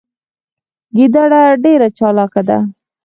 ګیدړه ډیره چالاکه ده